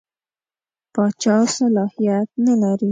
پاچا صلاحیت نه لري.